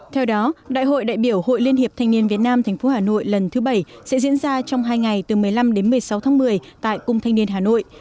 theo đó đại hội đại biểu hội liên hiệp thanh niên việt nam tp hà nội lần thứ bảy sẽ diễn ra trong hai ngày từ một mươi năm đến một mươi sáu tháng một mươi tại cung thanh niên hà nội